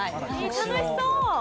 ◆楽しそう。